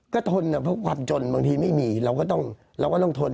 ก็ทนเนี่ยเพราะความจนบางทีไม่มีเราก็ต้องทน